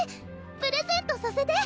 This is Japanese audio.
プレゼントさせて！